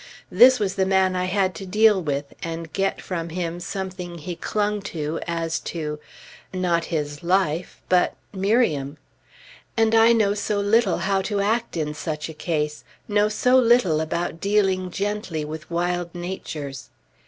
This was the man I had to deal with, and get from him something he clung to as to not his life, but Miriam. And I know so little how to act in such a case, know so little about dealing gently with wild natures!